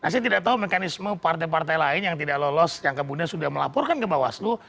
saya tidak tahu mekanisme partai partai lain yang tidak lolos yang kemudian sudah melaporkan ke bawaslu